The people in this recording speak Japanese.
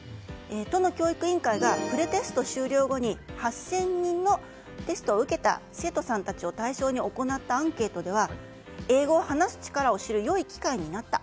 都の教育委員会がプレテスト終了後に８０００人の、テストを受けた生徒さんたちを対象に行ったアンケートでは英語を話す力を知る良い機会になった。